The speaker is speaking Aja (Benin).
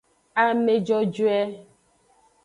Ame jojoe.